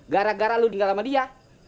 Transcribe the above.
gara gara lu tinggal sama dia